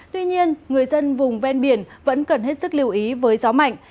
tuy nhiên người dân vùng ven biển vẫn cần hết sức lưu ý với gió mạnh